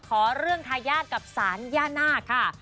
ขอเรื่องทายาทกับสานค่ะ